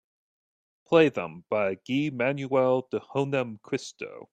play them by Guy-manuel De Homem-christo